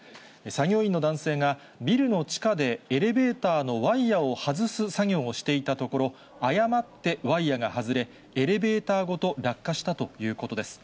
作業員の男性がビルの地下でエレベーターのワイヤを外す作業をしていたところ、誤ってワイヤが外れ、エレベーターごと落下したということです。